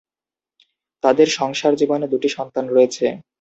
তাদের সংসার জীবনে দুটি সন্তান রয়েছে।